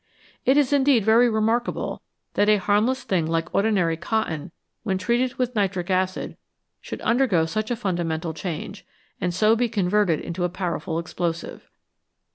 It is indeed very remarkable that a harmless thing like ordinary cotton when treated with nitric acid should undergo such a fundamental change, and be converted into a powerful explosive.